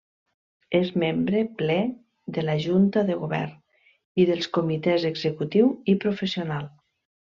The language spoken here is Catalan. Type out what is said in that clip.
És membre ple de la Junta de Govern i dels Comitès Executiu i Professional.